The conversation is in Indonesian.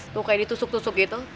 tuh kayak ditusuk tusuk